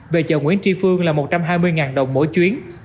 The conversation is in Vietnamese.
về chợ nguyễn tri phương là một trăm hai mươi đồng mỗi chuyến